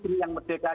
ini yang lebih baik